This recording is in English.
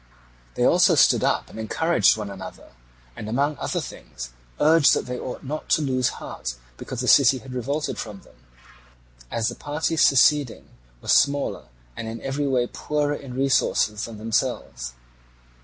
They also stood up and encouraged one another, and among other things urged that they ought not to lose heart because the city had revolted from them, as the party seceding was smaller and in every way poorer in resources than themselves.